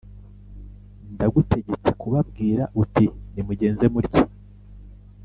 Ndagutegetse kubabwira uti Nimugenze mutya